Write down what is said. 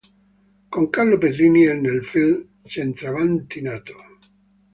Con Carlo Petrini è nel film "Centravanti nato".